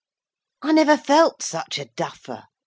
I never felt such a duffer.